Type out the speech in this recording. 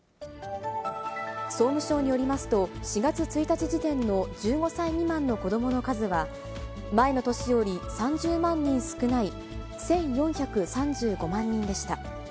総務省によりますと、４月１日時点の１５歳未満の子どもの数は、前の年より３０万人少ない１４３５万人でした。